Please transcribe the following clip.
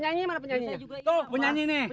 jangan pergi sama aku